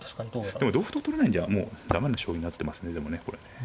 でも同歩と取れないんじゃもう駄目な将棋になってますねでもねこれね。